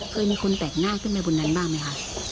เคยมีคนแปลกหน้าขึ้นไปบนนั้นบ้างไหมคะ